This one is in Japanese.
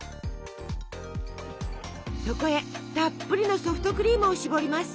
そこへたっぷりのソフトクリームをしぼります。